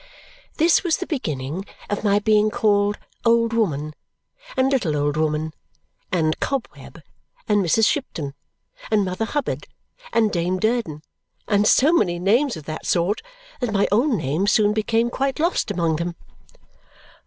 This was the beginning of my being called Old Woman, and Little Old Woman, and Cobweb, and Mrs. Shipton, and Mother Hubbard, and Dame Durden, and so many names of that sort that my own name soon became quite lost among them.